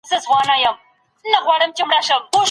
وروسته ځم